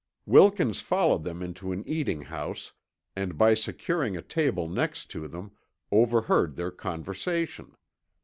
Wilkins followed them into an eating house and by securing a table next to them, overheard their conversation.